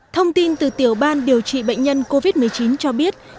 thông tin từ tiểu ban điều trị bệnh nhân covid một mươi chín cho biết